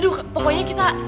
aduh pokoknya kita